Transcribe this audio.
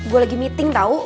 gue lagi meeting tau